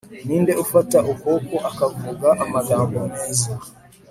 ninde ufata ukuboko akavuga amagambo meza